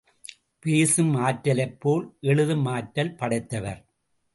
பேசும் ஆற்றலைப் போல் எழுதும் ஆற்றல் படைத்தவர்.